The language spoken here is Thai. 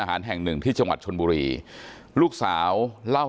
ไม่ตั้งใจครับ